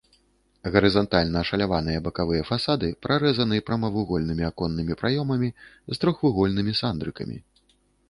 Гарызантальна ашаляваныя бакавыя фасады прарэзаны прамавугольнымі аконнымі праёмамі з трохвугольнымі сандрыкамі.